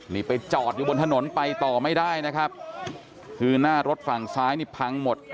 นี่ไปจอดอยู่บนถนนไปต่อไม่ได้นะครับคือหน้ารถฝั่งซ้ายนี่พังหมด